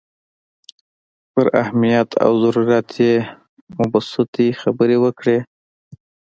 پر اهمیت او ضرورت یې مبسوطې خبرې وکړې.